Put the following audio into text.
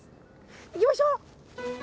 行きましょう！